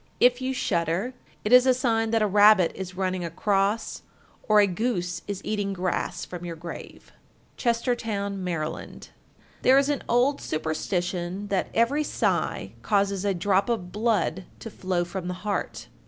If you shudder, it is a sign that a rabbit is running across, or a goose is eating grass from your grave. Chestertown, Md. 1373. There is an old superstition that every sigh causes a drop of blood to flaw from the heart.